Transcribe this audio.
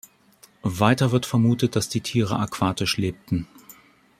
Weiter wird vermutet, dass die Tiere aquatisch lebten.